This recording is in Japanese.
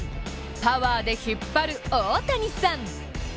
パワーで引っ張る大谷さん。